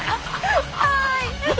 はい！